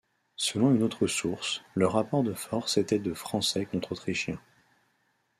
Selon une autre source, le rapport de force était de Français contre Autrichiens.